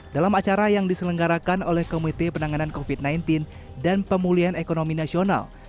dalam acara yang diselenggarakan oleh komite penanganan covid sembilan belas dan pemulihan ekonomi nasional